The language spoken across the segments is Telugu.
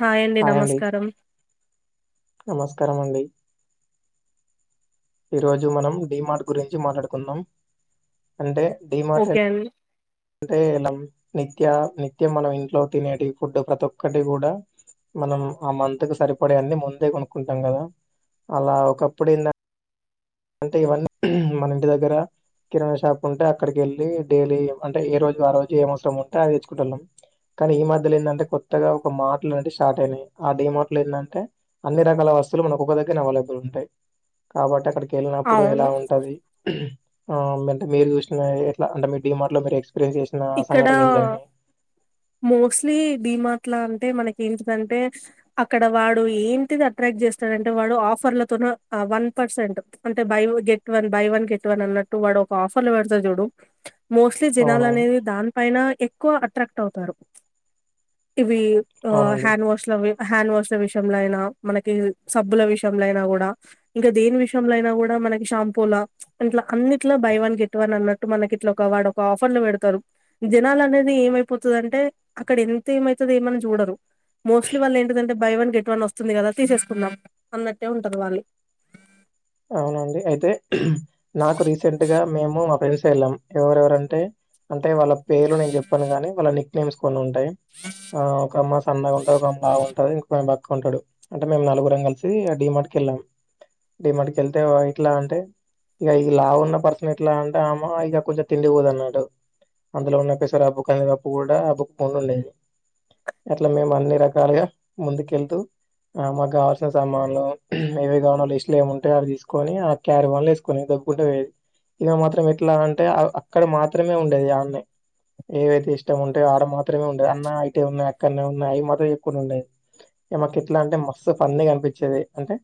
హాయండి నమస్కారం నమస్కారామండి ఈ రోజు మనం డీ మార్ట్ గురించి మాట్లాడుకుందం అంటే డిమార్ట్ ఒకే అండి అంటే ఎలం నిత్యా నిత్యం మన ఇంట్లో తినేటి ఫుడ్ ప్రతి ఒక్కటి గుడా మనం ఆ మంతుకు సరిపడే అన్ని ముందే కొనుకుంటం గదా అలా ఒకప్పుడెంద్ అంటే ఇవన్నీ మన ఇంటి దగ్గర కిరాణ షాప్ ఉంటే అక్కడికెళ్ళి డైలీ అంటే ఏ రోజు ఆ రోజు ఏం అవసరం ఉంటే అదెచ్చుకుంటోల్లం కానీ ఈ మధ్యలో ఏందంటే కొత్తగా ఒక మార్టులు అంటే షార్ట్ అయినాయి ఆ డీ మార్ట్ లో ఏళ్లంటే అన్ని రకాల వస్తువు లు మనక్ ఒక్క దగ్గరే అవైలేబుల్ ఉంటయి కాబట్టి అక్కడికి ఎల్నాపుడు ఎలా అవును. ఉంటది ఆ మంట్ మీరు చూసిన ఎట్ల అంటే మీ డీ మార్ట్ లో మీ ఎక్స్ ఇక్కడ మోస్టలీ డీ మార్ట్ లా అంటే మనక్ ఏంటిదంటే అక్కడ వాడు ఏంటిది అట్రాక్ట్ జెస్తాడంటే వాడు ఆఫర్లతోన వన్ పర్సెంట్ అంటే బైవ్ get one buy one get one అన్నట్టు వాడు ఒక ఆఫర్ లో వెడ్తడు జూడు మోస్ట్లీ అవునవును జనాలనేది ఎనా ఎక్కువ అట్రాక్ట్ అవుతారు ఇవి అవునండి హ్యాండ్ వాష్ల్ అవి హ్యాండ్ వాష్ల విషయంలో అయినా మనకి సబ్బుల విషయంలో అయినా కూడా ఇంకా దేని విషయంలో అయినా కూడా మనకి షాంపూలా ప్చ్ ఇంట్ల అన్నిట్లో బై వన్ గెట్ వన్ అన్నట్టు మనకి ఇట్లా ఒక వాడొక ఆఫర్ లో వెడతారు జనాలనేది ఏమైపోతుదంటే అక్కడ ఎంత ఏమైతది ఏమంజూడరు మోస్ట్లీ వాళ్లేంటిదంటే బైవన్ గెట్వన్ వస్తుంది గదా తీసేసుకుందం అన్నట్టే ఉంటది వాళ్ళి అవునండి అయితే నాకు రీసెంట్ గా మేము మా ఫ్రెండ్స్ ఎళ్ళం ఎవరెవరంటే అంటే వాళ్ళ పేర్లు నేను జెప్పాను కాని వాళ్ళ నిక్ నేమ్స్ కొన్నుంటాయి ఆ ఒక అమ్మ సన్నగా ఉంటది ఒక అమ్ బా ఉంటది ఇంకొకామే బక్క ఉంటాడు అంటే మేం నలుగురం కలిసీ డీ మార్ట్ కీ కెళ్ళాం డీ మార్టకెళ్తేవా ఇంట్లాంటే ఇగా ఈ లావున్న పర్సన్ ఎట్లా అంటే అమ్మ ఇగ కొంచెం తిండి వోదన్నట్టు అందులో ఉన్న పెసరివప్పు కందివప్పు కూడా బుకుతూనేవునాడు అట్ల మేమాన్ని రకాలుగా ముందుకెళ్తూ ఆ మాక్ గావల్సిన సామానులు ఏవి కావాలో లిస్టు లేముంటాయో అవి తీసుకొని ఆ క్యారీ వన్లో ఏస్కోని దొబ్బుకుంటూ వేయిది ఇగ మాత్రం ఎట్లాంటే అక్కడ మాత్రమే ఉండేది ఆమె ఏవైతే ఇష్టం ఉంటయో ఆడ మాత్రమే ఉండే అన్న ఇటే ఉన్నయి అక్కడనే ఉన్నాయి అయి మాత్రం ఎక్కువనే ఉన్నయి ఇగా మాకేట్లంటే మస్తు ఫన్నీగ అనిపిచ్చేది అంటే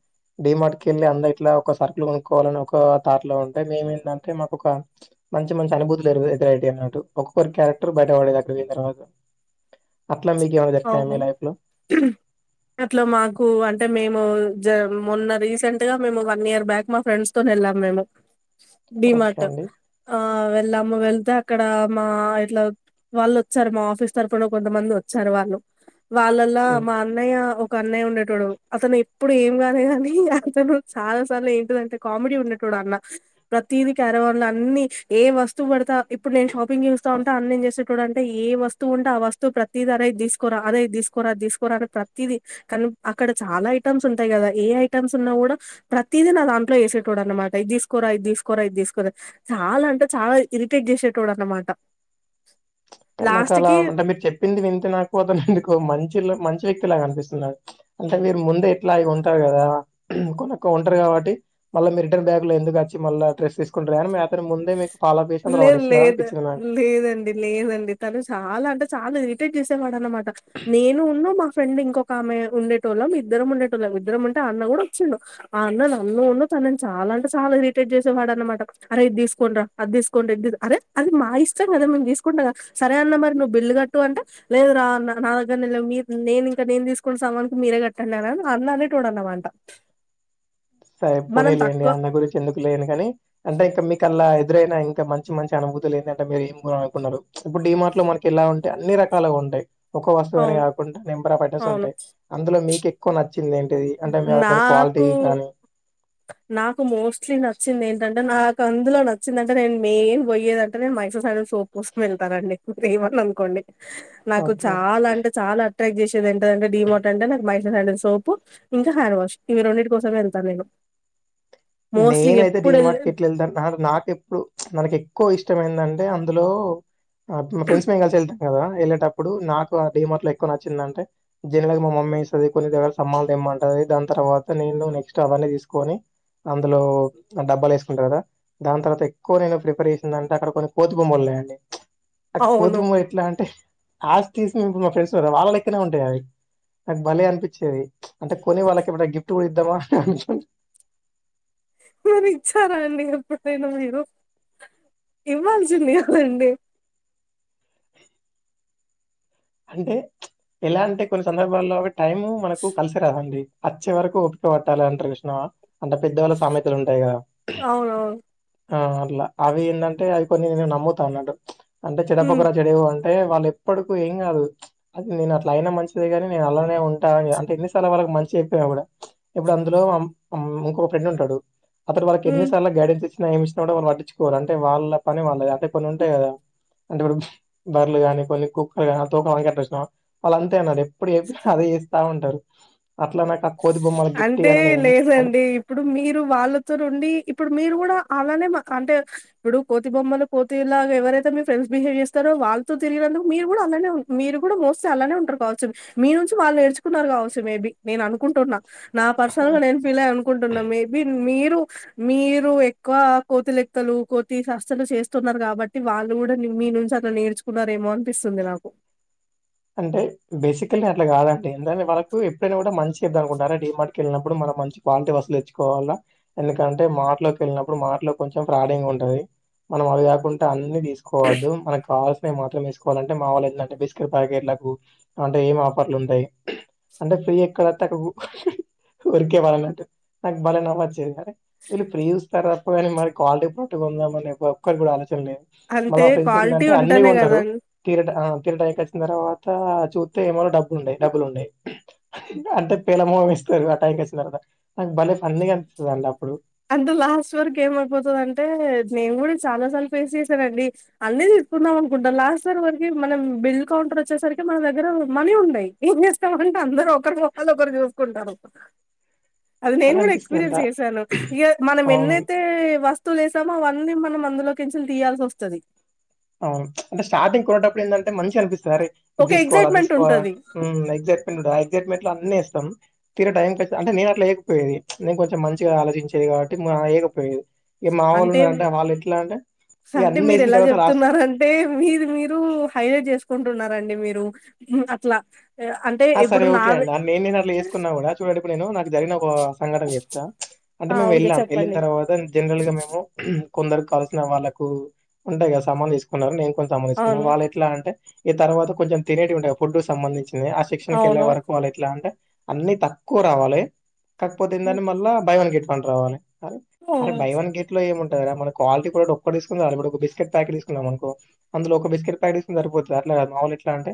డీ మార్ట్ కెళ్ళి అందరిట్ల ఒక సరుకులు కొనుక్కోవాలని ఒక థాట్ లో ఉంటే మేం ఏందంటే మాకు ఒక ప్చ్ మంచి మంచి అనుభూతి లేదు ఎద్దరు ఐ అన్నట్టు ఒక్కొక్క క్యారెక్టర్ బయటపడేడట్టు దిని తర్వాత అట్లా మీకేమైనా జరిగినాయా అవును మీ లైఫ్ లో అట్ల మాకు అంటే మేము జ మొన్న రీసెంట్ గా మేము వన్ ఇయర్ బ్యాక్ మా ఫ్రెండ్స్ తో వెళ్ళాం మేము డి ఓకే మార్ట్ అండి ఆహ్ వెళ్ళాము వెళ్తే ఆక్కడ మా ఇట్ల వాళ్ళువోచ్చారు మా ఆఫీస్ తరపునా కొంతమంది వచ్చారు వాళ్ళు వాళ్ళలా ఉమ్ మా అన్నయ్య ఒక్క అన్నయ్య ఉండేటోడు అతను ఇప్పుడు ఏం గానెగనీ అతను చాలా సార్లు లేదు కామెడీ ఉండటోడు ఆ అన్న ప్రతిది క్యారివన్ లో అన్ని ఏం వస్తు వడ్తే ఇప్పుడు నేన్ షాపింగ్ చేస్తావుంటే ఆ అన్న ఏం చేసేటొడు అంటే ఏ వస్తువుంటే ఆ వస్తువు ప్రతి తిది ఆరే ఇద్ తీసుకోరా ఆరే అద్ తీసుకోరాది తీసుకోరా అని ప్రతతిది కాల్ అక్కడ చాలా ఐటమ్స్ ఉంటాయి కదా ఏ ఐటమ్స్ ఉన్నా కూడా ప్రతిదీ నా దాంట్లో వసేటోడు అనమాట ఇద్ తీసుకోరా ఇద్ తీసుకోరా ఇడ్ తీసుకోరా చ లా అంటే చాలా ఇరిటేట్ చేసేటోడు అన్నమాట అంటే నాక్కలా లాస్ట్‌కి అంటే మీరు చెప్పింది విన్ అతే నాకు అతను ఎందుకు మంచలు మంచి వ్యక్తి లాగా కనిపిస్తున్నాడు అంటే మీరు ముందే ఎట్లాగో ఉంటారు కదా కొనొక్క ఉంటారు కావట్టి మళ్ళా మీ రిటర్న్ బ్యాగ్ లో ఎందుకు వచ్చి మళ్ళా టెస్ట్ తీసుకుంటారు అని మీ అతను ముందే మీకు ఫాలో అప్ చేసి అందులో లేద్ పడేస్తున్నారు లేద్ అనిపించింది నాకు లేదండి లేదండి తను చాలా అంటే చాలా ఇరిటేట్ చేసేవాడు అనమాట నేను ఉన్ను మా ఫ్రెండ్ ఇంకొకామె ఉండేటొళ్ళం ఇద్దరం ఉండేటోళ్ళం ఇద్దరం ఉంటే ఆ అన్న గుడ వచ్చిండు ఆ అన్న నన్ను ఉన్ను తనని చాలా అంటే చాలా ఇరిటేట్ చేసేవాడు అనమాట ఆరే ఇద్దిస్ అద్ తీసుకోండి ఇద్ తీసుకోన్ అరే అది మా ఇష్టం కదా మేం తీసుకుంటాం కద సరే అన్న మరి నువ్వు బిల్లు కట్టు అంటే లేదు రా న నా దగ్గర లేవ్ మీర్ నేన్ ఇంకా నేను తీసుకున్న సమానికి మీరే కట్టండి అని ఆ అన్న అనేటోడు అనమాట ట్ సరె పోనీలేండి ఆ అన్న గురించి ఎందుకులెండి గాని అంటే ఇంక మీక్ అలా ఎదురైనా ఇంకా మంచి మంచి అనుభూతులు ఏంటంటే మీరు ఏం కొన్నుకున్నారు ఇప్పుడు డీ మార్ట్ లో మనకి ఎలా ఉంటాయి అన్ని రకాలుగ ఉంటాయి ఒక వస్తువు అని అవును కాకుండా నింబర్ ఆఫ్ ఐటమ్స్ అవును ఉంటాయి అందులో మీకేక్కువ నచ్చ చెంది ఏంటిది అంటే మ దాని క్వాలిటీ నాకు గానీ నాకు మోస్ట్లీ నచ్చింది ఏంటంటే నాక్ అందులో న నచిందటే నేను మెయిన్ పోయేదంటే మైసూర్ సైడ్ సోపు కోసం వెళ్తానండి మీర్ ఎమ్మన అనుకోండి నాకు ఓకే చాలా అంటే చాలా అట్రాక్ట్ చేసేది ఎంటిదంటే డిమోట్ అంటే నాకు మైసుర్ సాండల్ సోపు ఇంకా హ్యాండ్ వాష్ ఇవి రెండిటి కోసమే వెళ్తా నేను మోస్ట్లీ నేనైతే డీ ఎప్పుడు మార్ట్ ఎళ్ళి కి ఎట్లేళ్త నా నాక్ ఎప్పుడు మనకి ఎక్కువ ఇష్ట ఇష్టం ఏంటంటే అందులో ఆ మ ఫ్రెండ్స్ మేము కలిసి వెళ్తా కదా వెళ్ళేటప్పుడు నాకు ఆ డీమర్ట్ లో ఎక్కువ నచ్చిందంటే జనగాలు మా మమ్మీ ఎస్టది కొన్ని దేగల సామాన్లు మంటది దాన్ తర్వాత నేను నెక్స్ట్ అవన్నీ తీసుకొని అందులో ఆ డబ్బాలేసుకుంటా కద దాని తర్వాత ఎక్కువ నేను ప్రిఫెర్ చేసిందంటే అక్కడ కొన్ని కోతి బొమ్మలు ఉన్నాయండి ఆ కోతి అవును. బొమ్మలు ఎట్లా అంటే ఆస్ టీస్ ఇప్పుడు మా ఫ్రెండ్స్ ఉన్నారా వాళ్ళలెక్కనే ఉంటాయి అవి నాకు భలే అనిపించేది అంటే కొని వాళ్ళకి ఎమ్మన గిఫ్ట్ గుడ ఇద్దామా అని అను మరి ఇచ్చారా అండి ఎప్పుడైనా మీరు ఇవ్వాల్సింది కదండి అంటే చ్ ఎలాంటి కొన్ని సందర్భాల్లో టైమ్ మనకు కలిసి రాదండి ఆచ్చేవరకు ఓపిక పట్టాలె అంటరు చూష్ణవ అంటే పెద్దవాళ్ళ సామెతలు ఉంటాయి గదా అవునవును. ఆ అట్లా అవి ఏందంటే అవి కొన్ని నేను నమ్ముతా అన్నటు అంటే హ్మ్. చెన్నెపక్కొర చెడవు టే వాళ్ళు ఎప్పడ్కు ఎం కాదు అది నేను అట్లా అయినా మంచిదే గాని నేను అల్లానే ఉంటా అని అంటే ఇన్నిసార్ల వాళ్ళకి మంచి చెప్పాన కూడ ఇప్పుడు అందులో ఇంకొక ఫ్రెండ్ ఉంటాడు అతడు వాళ్ళకి హ్మ్. ఎన్నిసార్లు గైడెన్స్ ఇ ఏం ఇచ్చిన కూడా వాళ్ళువట్టించుకోరూ అంటే వాళ్ళ పని వాళ్ళది అంటే కొన్ని ఉంటాయి కదా అంటే ఇప్పుడు బర్లు గాని పందికొక్క్ తోక కట్టొచ్చినా వాళ్ళు అంతే ఉన్నారు ఎప్పుడు చెప్పిన అదే చేస్తా ఉంటారు అట్లా ఆ కొతి బొమ్మ అంటే లేదండి ఇప్పుడు మీరు వాళ్ళతోని ఉండి ఇప్పుడు మీరు కూడా అలానే అంటే ఇప్పుడు కోతి బొమ్మలు కోతిలాగా ఎవరైతే మీరు ఫ్రెండ్స్ బిహేవ్ చేస్తారో వాళ్ళతో తిరిగినందుకు మీరు కూడా అ మీరు కూడా మోస్ట్లీ అలానే ఉంటారు కావచ్చు మీ నుంచి వాళ్ళు నేర్చుకున్నారు కావచ్చు మేబీ నేను అను నుకుంటున్నా నా పర్సనల్ గా నేను ఫీల్ అయ అనుకుంటున్నా మేబి మీ రు మీరు ఎక్కువ కోతి లెక్కలు కోతి చేష్టాలు చేస్తున్నారు కాబట్టి వాళ్ళు కూడా మీ మీ నుంచి అట్లా నేర్చుకున్నారేమో అనిపిస్తుంది నాకు అంటే బేసిక అంటే అట్ల కాదండి ఎందుకంటే వాళకు ఎప్పుడైనా కూడా మంచి చేదాం అనుకుంటానా అలా డిమార్ట్కి వెళ్ళినప్పుడు మంచి క్వాలిటీ వస్తులు తెచ్చుకోవాలా ఎందుకంటే మాటలోకి వెళ్ళినప్పుడు మాటలో కొంచెం ఫ్రాడింగ్ ఉంటది మనం అవి కాకుంట అన్ని తీసుకోవద్దు మనం కావలసినవి మాత్రం తీసుకోవాలంటే మా వాళ్ళు ఎట్లా అంటే బిస్కెట్ పాకెట్లకు అంటే ఏం ఆఫర్లు ఉంటాయి అంటే ఫ్రీ ఎక్కడత్తే ఉరికే వెల్లాలంటే నట్టు నాకు బలే నవుచ్చేది అరే వీళ్ళు ఫ్రీ ఇస్తర తప్ప కాని మరి క్వాలిటీ ప్ర వెల్లాలని ఒక్కలు కూడ ఆలోచించలే మల్ల అంటే ఫ్రెండ్స్ క్వాలిటీ ఏంటంటే అన్ని ఉంటేనే కొంటరు గదండీ! తీరట కీరట తర్వాత చూస్తే ఏమన్నా డబ్బులు ఉండయి డబ్బులు ఉండయి అంటే పేలమొకం వేస్తారు కదా నాకు భలే ఫన్నీగా అనిస్తది అండి అప్పుడు అందులా లాస్ట్ వరకు గేమ్ ఏమయిపోతదంటే నేను కూడా చాలా సార్లు ఫేస్ చేసానండి అన్ని తీసుకుందాం అనుకుంటం లాస్ట్ ఇయర్ వరకి మనం బిల్ కౌంటర్ వచ్చేసరికి మన దగ్గర మనీ ఉన్నాయిం చే టే అందరు ఒకరి మోకాలు ఒకరు చూసుకుంటారు అది నేను భలే కూడా అనిపిస్తది అంట ఎక్స్పీరియన్స్ చేశాను ఇక మనం అవును ఎన్నయితే వస్త వ లేసాము అవన్నీ మనం అందులోకేళినుచి తీయాల్సి వస్తుంది అవును అంటే స్టార్టింగ్ కొనేటప్పుడు ఏంటంటే మంచిగా అనిపి సరే ఇది ఒక తీసుకోవాల అది ఎగ్జైట్మెంట్ తీసుకోవల ఉంటది. ఉమ్ ఎగ్జైట్మెంట్ ఆ ఎగసైట్మెంట్ ఇ అన్నీ ఇస్తం తినే టైంకి వచ్చి అంటే నేను అట్లా లేకపోయే నేను కొంచం మంచిగా ఆలోచించేది కాబట్టి పో ఇగా మా వాళ్ళున్నరంటే వాళ్ళు ఎట్లా అంటే ఇగ సంటే అన్ని మీరు ఏసిన ఎలా తర్వాత లాస్ట్ చెప్తున్నారు అంటే మీరు మీరు హైలైట్ చేసుకుంటున్నండి మీరు అట్లా అంటే ఆ ఇప్పుడు సరేఓకే నాదే అండి నేను నేను అట్లా చేసుకున్నా కూడా చూడండి ఇప్పుడు నేను నాకు జరిగిన ఒక సంఘటన చెప్తా అంటే ఆ మేము ఓకే వెళ్ళాం వెళ్ళిన చెప్పండి. తర్వాత జనరల్ గా మేము కొందరు కలిసిన వాళ్ళకు ఉంటాయి కదా సమ్మాన్లు తీసుకున్నారు నేను కొన్ని సామాన్లు తీసుకున్నా అవును. వాళ్ళు ఎట్లా అంటే ఈ తర్వాత కొంచెం తినేటివి ఉంటాయి ఫుడ్ కు సంబంధించింది ఆ శిక్షణకి వెళ్లే అవును వరకు వాళ్లు ఎట్లా అంటే అన్ని తక్కువ రావాలి కాకపోతే దాన్ని మళ్ళా భయ్ వన్ గెట్టవన రావాలి అరే బై వన్ గెట్ లో ఏంమ్ మన క్వాలిటి కూడా ఒక్క తీసుకు ఒక బిస్కెట్ ప్యాకెట్ తీసుకుందా మనకు అందులో ఒక బిస్కెట్ ఫ్యాకేట్ తీసుకున్న సరిపోతది మామూలు ఎట్లా అంటే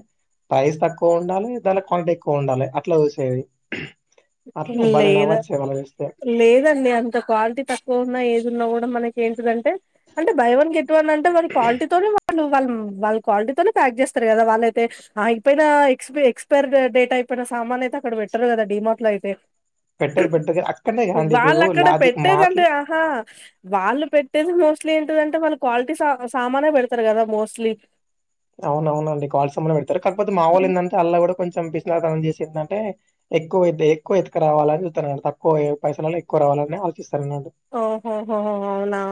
ప్రైస్ తక్కువ ఉండాలి దాన్లో క్వాలిటీ ఎక్కువ ఉండాలి అట్లా చూసేది అట్లా నాకు భలే లేదా నవ్వొచ్చేది అలా చూస్తే లేదండి అంత క్వాలిటీ తక్కువ ఉన్నా ఏదున్న కూడ మనకి ఏంటిదంటే అంటే బై వన్ గెట్ వన్ అంటే వా క్వాలిటీతోనే వాళ్ళు వాళ్ళ క్వాలిటీతోనే ప్యాక్ చేస్తారు కదా వాళ్ళయితే అయిపోయిన ఎక్స్ ఎక్స్పైర్ డేట్ అయి ప్పడన సామాన్ అయితే అక్కడ పెట్టరు కదా డిమార్ట్ లో అయితే పెట్టారుపెటరే అ వాళ్ళు అక్కడ పెట్టేదండి ఆహా వాళ్ళు పెట్టేది మోస్ట్లీ ఏంటిదంటే వాళ్ళు క్వాలిటీ సా సామానే పెడతారు కదా మోస్ట్లీ అవునవునండి కాల్స్ ఏమన్నా పెడతరు కాకపోతే మా వాళ్ళు హ్మ్. ఏందంటే అళ్ల కూడా కొంచెం పిసినారి తనం చేసిందంటే ఎక్కువ ఎక్కువ ఎతుక రావాలని చూత్తరన మాట తక్కువ పైసలల్ల ఎక్కువ వాలానే ఆలోచిస్తా ఓహోహో అవునా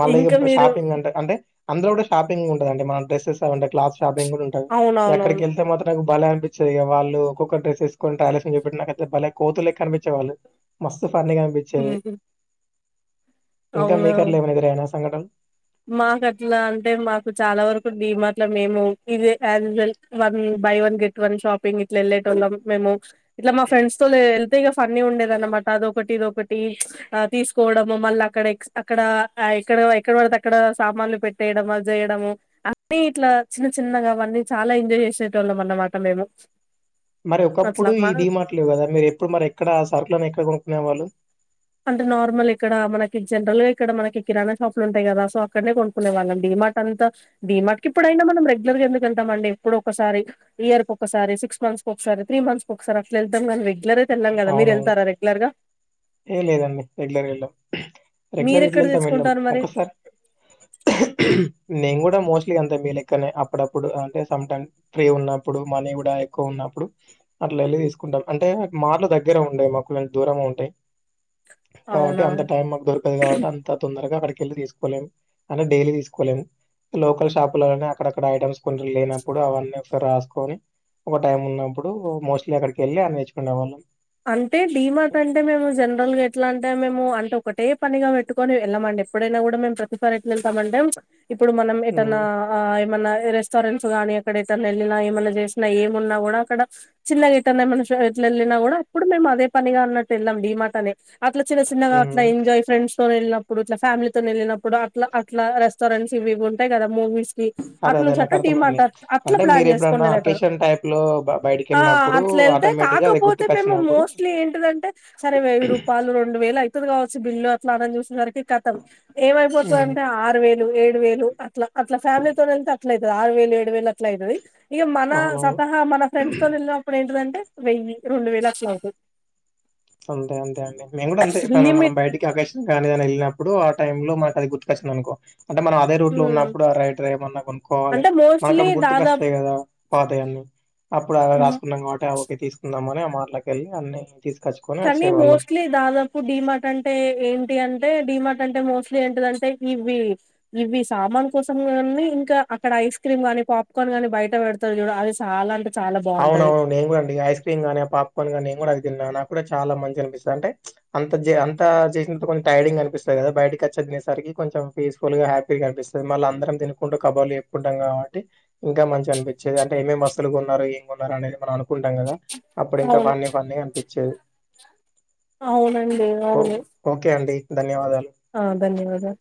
మళ్ళీగ ఇంకా మీరు షాపింగ్ అంటే అంటే అందులో కూడా షాపింగ్ ఉంటదంట మన డ్రస్సెస్ అంటే క్లాత్స్ షాపింగ్ కూడా ఉంటది యక్కడికి అవునవునవును ఎళ్తే మాత్రం బలే అనిపించేది ఇగ వాళ్ళు ఒక్కొక్క డ్రెస్సుసుకుంటా ఆలస్యం భలే కోతులెక్క అనిపించే వాళ్ళు మస్తు ఫన్నీగానిపించేది హ్మ్. అవునా కేరల వనగరేణ సంఘటన మాకు అట్లా అంటే మాకు చాలా వరకు డిమాట్ల మేము ఇదే usual buy one get one షాపింగిట్లా వెళ్ళేటోళ్ళం మేము ఇట్లా మా ఫ్రెండ్స్ తోనెళ్తే ఫన్నీగుండేదన్న అటదోకటి ఇదొకటి అ తీసుకోవడం మళ్ళ అక్కడ అక్కడ ఎక్కడ ఎక్కడవడితే ఎక్కడ సామాన్లు పెట్టేయడం అజేయడము అన్ని ఇట్లా చిన్న చిన్నగా అవన్నీ చాలా ఎంజాయ్ చేసేటొ లమన్నమాట మేము మరి ఒకప్పుడు అట్లా ఈ మా డిమాట్లు లేవ్ కదా మీరు ఎప్పుడు మరి ఎక్కడ ఆ సర్కుల్ని ఎక్కడ కొనుక్కునే వాళ్ళు అంటే నార్మలిక్కడ మనకి జనరల్ గా ఇక్కడ మనకి కిరాణషాపులు ఉంటాయి కదా సో అక్కన్నే కొనుకునే వాళ్ళం డి మాకంతా డిమార్ట్ కిప్పుడైనా మనం రెగ్యులర్గా ఎందుకెళ్తాం అండి ఎప్పుడోకసారి ఇయర్ కొకసారి సిక్స్ సిక్స్ంత్స్ కొకసారి త్రీ మంత్స్ కొకసారి అట్లా ఎతాంగనీ రెగ్లరైతెళ్ళం గదా మీరు అవునవును వెళ్తరా రెగ్లర్గా ఏ లేదండి రెగ్యులరేళ్ళాం రెగ్యులర్ ఎట్ల మీరెక్కడ వెళ్తాం వెళ్ళాం తెచ్చుకుంటారు మరి ఒక్కసారి నేను కూడా మోస్ట్లీ అంతే మీ లెక్కనే అప్పుడప్పుడు అంటే సంటైమ్ ఫ్రీ ఉన్నప్పుడు మనీ కూడా ఎక్కువున్న అప్పుడు అట్లా వెళ్ళి తీసుకుంటాం అంటే మాట్లు దగ్గరే ఉండే మాకోం దూరం ఉంటాయి కాబట్టి అవునా అంత టైం మాకు దొరకదు గాబట్టి అంత తొందరగా అక్కడి ఎళ్ళి తీసుకోలేం అంటే డైలీ తీసుకోలేం లోకల్ షాపులనే అక్కడక్కడ ఐటమ్స్ కొంచం లేనప్పుడు అవన్నీ ఒకసారి రాసుకొని ఒక టైం ఉన్నప్పుడు మోస్ట్లీ అక్కడికెళ్ళి అన్ని తెచ్చుకునే వాళ్ళం అంటే డీమార్ట్ అంటే మేము జెన్ నార్మల్గ ఎట్లా అంటే మేము అంటే ఒకటే పనిగా పెట్టుకొని ఎళ్ళామండి ఎప్పుడైనా కూడా మేము ప్రతిసారి ఎట్లెతమంటే ఇప్పుడు మనం ఏటన్నా హ్మ్. ఆ ఏమన్నా రెస్టారెంట్స్ గానీ అక్కడ ఎటన్నెళ్ళినా ఏమైన్నా చేసినా ఏం ఉన్నా కూడా అక్కడ చిన్నగా ఎటన్న ఏమన్న ఫె జ్ ఎళ్ళిన కూడా అప్పుడు మేము అదే పనిగా అన్నట్టు వెళ్ళాం డిమాటనే అట్ల చిన్న చిన్నగా అట్లా హ్మ్. ఎంజాయ్ ఫ్రెండ్స్ తోనెళ్ళినప్పుడు ఇట్లా ఫ్యామిలీతోనెళ్ళినప్పుడు అట్ల అట్ల రెస్టారెంట్స్ ఇవి ఇవి ఉంటాయి కదా మూవీస్ కి అదే అదే నాకు అట్నుంచట్టు డిమాట్ అర్థమైంది. అట్ల అట్లా అంటే ప్లాన్ మీరు ఎప్పుడన్నా చేసుకొని ఎల్లేటోళ్ళం అకేషన్ టైప్ లో బ ఆ బయటికెళ్ళినప్పుడు అట్లెల్తె ఆటోమేటిక్‌గా అది కాకపోతే మేము గుర్తుకొచ్చినప్పుడు మోస్ట్లీ ఏంటిదంటే సరే వెయ్యిరుపాలు రెండు వేలు అయితదిగావచ్చు బిల్లు అట్లా అనని చూసె సరికి కి కతం హ్మ్. ఏమైపోతుందంటే ఆరు వేలు ఏడు వేలు అట్లా అట్లా ఫ్యామిలీతోనెల్తే అట్లయితది ఆరు వేలు ఏడు వేలు అట్ల అయితది ఇగ మన అవునవును. స్వంతంగా మన ఫ్రెండ్స్ తోని ఎళినప్పుడు ఏంటంటే వెయ్యి రొండు వేళట్లవుతది అంతే అంతే అండి మేము కూడా అంతే ఇప్పుడు మనం లిమిట్ బయటికి అకేషన్ లేదని మీరు వెళ్ళినప్పుడు ఆ టైమ్ లో మాకు అది గుర్తుకొచ్చిందనుకో అంటే మనం అదే రూట్ లో హ్మ్ ఉన్నప్పుడు ఆ రైట్ ర ఏవన్నా కొనుక్కవాలి అంటే మోస్ట్లీ మనకప్పుడు గుర్తుకొస్తాయి దాదాపు కదా పాతయాన్ని అప్పుడు అవి రాసుకున్నాం కాబట్టి ఆ ఓకె తీసుకుందామని ఆ మాటలకెళ్ళి అన్ని తీసుకు కానీ మోస్ట్లీ దాదాపు డిమార్టంటే ఏంటి అంటే డిమార్ట్ అంటే మోస్ట్లీ ఏంటదంటే ఇవ్వి ఇవి సామాన్ కోసమెగన్నీ ఇంకా అక్కడ ఐస్ క్రీ క్రీమ్ గని పాప్కార్న్ గాని బయట పెడతర్ చూడు అది చాలా అంటి అవును అవును నేను గూడ అండి ఐస్ క్రమ్ గానీ ఆ పాప్కార్న్ గానీ నెను గూడ అవి దిన్ననా కూడా చాలా మంచి గ అనిపిస్తది అంటే అంత జె అంత చేసిన కొంతైడింగ్ అనిపిస్తది కదా బయటకిచ్చి దినేసరికి కొంచెం పీస్ఫుల్ గా హ్యాపీగా కనిపిస్తది మళ్ళ అందరం తినుకుంటూ కబుర్లు చెప్పుకుంటంగాబటి ఇంకా మంచిగ అనిపి చ్చేది అంటే ఏంమేం వస్తులు కొన్నారు ఏం కొన్నారు అనేది మనం అనుకుంటాం కదా అప్పుడింకా అవును ఫన్నీ ఫన్నీ అనిపిచ్చేది అవునండి ఓ ఓకే అండి ధన్యవాదలు ఆహ్ ధన్యవాదలు